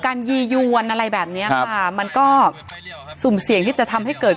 ยียวนอะไรแบบเนี้ยค่ะมันก็สุ่มเสี่ยงที่จะทำให้เกิด